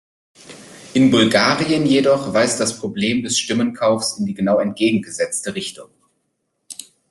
In Bulgarien jedoch weist das Problem des Stimmenkaufs in die genau entgegengesetzte Richtung.